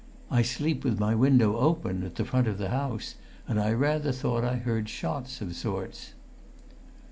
I sleep with my window open, at the front of the house, and I rather thought I heard shots of sorts."